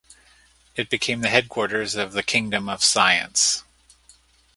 It became the headquarters of the Kingdom of Science.